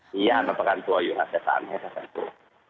มียานประกันตัวอยู่ค่ะแต่สารไม่ให้ประกันตัว